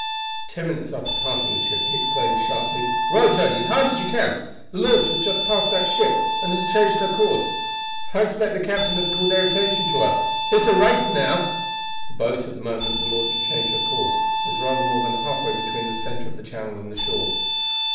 Ten minutes after passing the ship he exclaimed sharply: "Row, Tony, as hard as you can; the launch has just passed that ship, and has changed her course. I expect the captain has called their attention to us. It's a race now." The boat, at the moment the launch changed her course, was rather more than halfway between the center of the channel and the shore.